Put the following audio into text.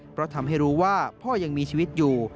เพราะทำให้รู้ว่าพ่อยังมีชีวิตอยู่